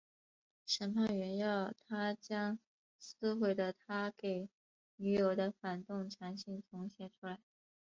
审判员要他将被撕毁的他给女友的反动长信重写出来。